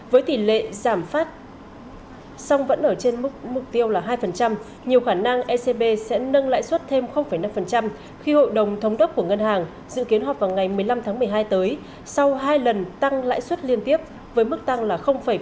với tỷ lệ giảm phát song vẫn ở trên mục tiêu là hai nhiều khả năng ecb sẽ nâng lãi suất thêm năm khi hội đồng thống đốc của ngân hàng dự kiến họp vào ngày một mươi năm tháng một mươi hai tới sau hai lần tăng lãi suất liên tiếp với mức tăng là ba mươi